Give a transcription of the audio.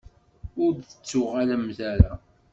Ur d-tettuɣalemt ara.